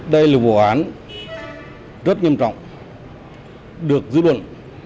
đây là vụ án rất nghiêm trọng được dư luận